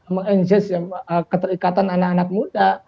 mengenjej keterikatan anak anak muda